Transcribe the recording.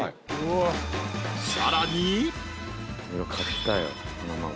［さらに］